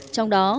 trong đó thông tin